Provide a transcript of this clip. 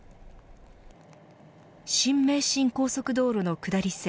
新名神高速道路の下り線